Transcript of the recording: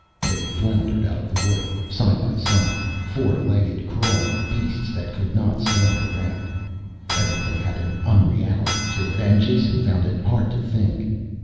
They floundered out of the water, side by side, four legged crawling beasts that could not stand erect. Everything had an unreality to it and Jason found it hard to think.